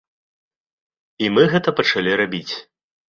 І мы гэта пачалі рабіць.